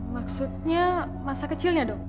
maksudnya masa kecilnya dong